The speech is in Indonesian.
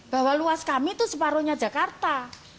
bahwa luas kami itu separuhnya jakarta